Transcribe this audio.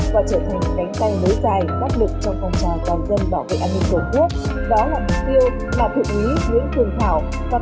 và trở thành cánh tay nối dài